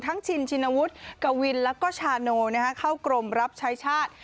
ทั้งจินจินวุฒิ์กวินแล้วก็ชานว์เข้ากรมรับใช้ชาติ